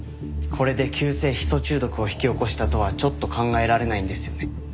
これで急性ヒ素中毒を引き起こしたとはちょっと考えられないんですよね。